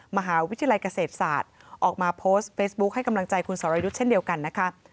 มหาวิทยาลัยเกษตรศาสตร์ออกมาโพสต์เฟซบุ๊คให้กำลังใจคุณสรยุทธ์เช่นเดียวกันนะคะ